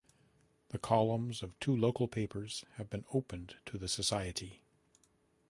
The columns of two local papers have been opened to the society.